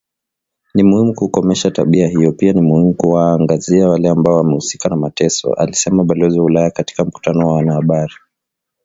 " Ni muhimu kukomesha tabia hiyo pia ni muhimu kuwaangazia wale ambao wamehusika na mateso" alisema Balozi wa ulaya katika mkutano na wanahabari